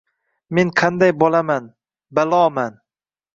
Men qanday bolaman, baloman.